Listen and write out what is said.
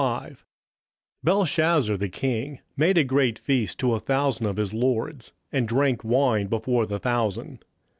27:005:001 Belshazzar the king made a great feast to a thousand of his lords, and drank wine before the thousand.